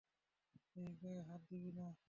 এই, গায়ে হাত দিবি না।